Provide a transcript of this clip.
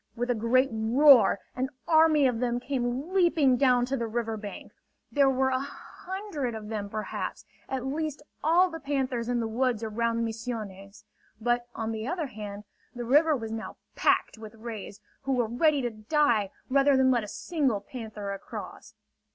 With a great roar an army of them came leaping down to the river bank. There were a hundred of them, perhaps; at least all the panthers in the woods around Misiones. But, on the other hand, the river was now packed with rays, who were ready to die, rather than let a single panther across.